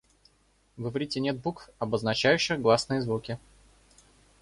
В иврите нет букв, обозначающих гласные звуки.